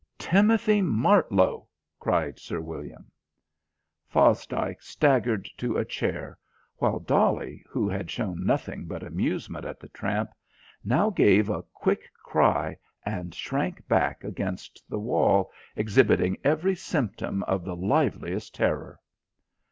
"Timothy Martlow," cried Sir William. Fosdike staggered to a chair while Dolly, who had shown nothing but amusement at the tramp, now gave a quick cry and shrank back against the wall, exhibiting every symptom of the liveliest terror.